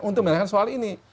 untuk menangani soal ini